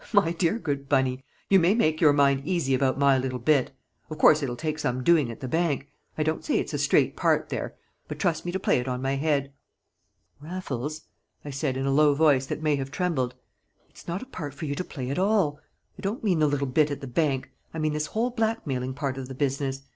"My dear, good Bunny, you may make your mind easy about my little bit! Of course, it'll take some doing at the bank. I don't say it's a straight part there. But trust me to play it on my head." "Raffles," I said, in a low voice that may have trembled, "it's not a part for you to play at all! I don't mean the little bit at the bank. I mean this whole blackmailing part of the business.